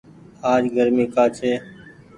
آج گرمي ڪآ ڇي ۔